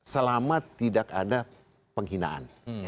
selama tidak ada penghinaan